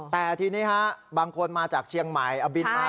แต่ทีนี้ฮะบางคนมาจากเชียงใหม่เอาบินมา